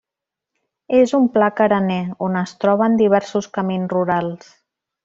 És un pla carener, on es troben diversos camins rurals.